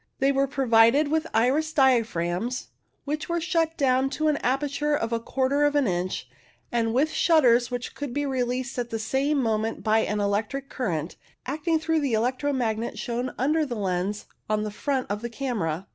They were pro vided with iris diaphragms, which were shut down to an aperture of a quarter of an inch, and with shutters which could be released at the same moment by an electric current, acting through the electro magnet shown under the lens on the front of the camera.